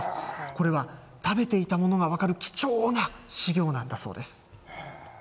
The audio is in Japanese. これは、食べていたものが分かる貴重な資料なんだそうです。